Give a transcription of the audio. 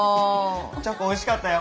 チョコおいしかったよ。